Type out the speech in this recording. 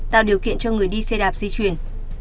tạo điều kiện cho người đi xe đạp di chuyển